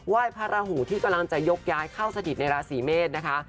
ยพระราหูที่กำลังจะยกย้ายเข้าสถิตในราศีเมษนะคะ